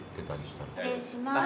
失礼します。